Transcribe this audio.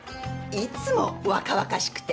いつも若々しくて。